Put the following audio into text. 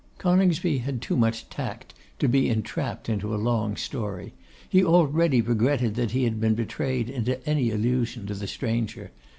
Coningsby had too much tact to be entrapped into a long story. He already regretted that he had been betrayed into any allusion to the stranger.